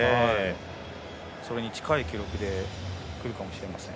それに近い記録でくるかもしれません。